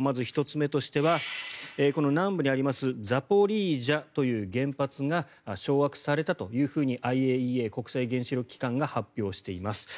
まず、１つ目としては南部にあるザポリージャという原発が掌握されたというふうにＩＡＥＡ・国際原子力機関が発表しています。